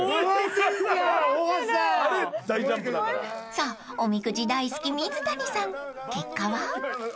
［さあおみくじ大好き水谷さん結果は？］